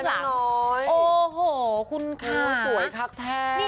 สวยคักแท้